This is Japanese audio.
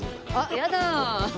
やだ！